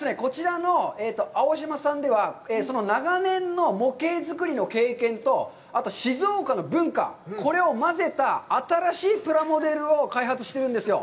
こちらのＡＯＳＨＩＭＡさんでは、その長年の模型作りの経験と、あと、静岡の文化、これをまぜた、新しいプラモデルを開発してるんですよ。